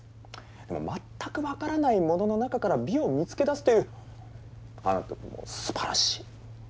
でも全く分からないものの中から美を見つけだすというあなたもうすばらしい。